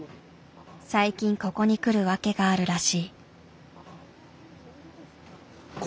最近ここに来る訳があるらしい。